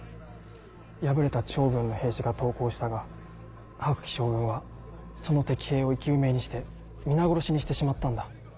敗れた趙軍の兵士が投降したが白起将軍はその敵兵を生き埋めにして皆殺しにしてしまったんだ。